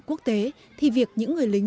của kế hoạch này